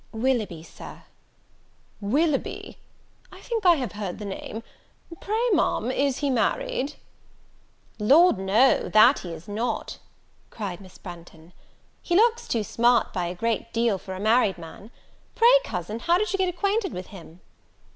"Willoughby, Sir." "Willoughby! I think I have heard the name. Pray, Ma'am, is he married?" "Lord, no, that he is not," cried Miss Branghton; "he looks too smart by a great deal for a married man. Pray, cousin, how did you get acquainted with him?"